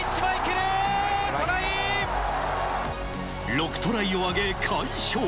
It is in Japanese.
６トライを挙げ快勝。